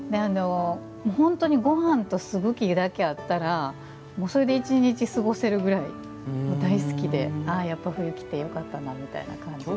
本当に、ごはんとすぐきだけあったらそれで一日過ごせるぐらい大好きでああ、やっぱり冬きてよかったなみたいな感じで。